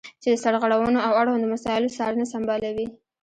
چې د سرغړونو او اړوندو مسایلو څارنه سمبالوي.